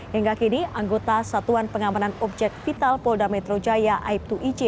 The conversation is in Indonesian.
hingga kini anggota satuan pengaramanan objek vital polda metro jaya aip dua ic